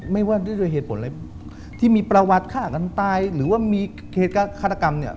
ไม่ว่าด้วยเหตุผลอะไรที่มีประวัติฆ่ากันตายหรือว่ามีเหตุการณ์ฆาตกรรมเนี่ย